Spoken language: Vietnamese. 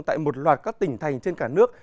tại một loạt các tỉnh thành trên cả nước